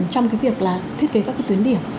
trong cái việc là thiết kế các cái tuyến điểm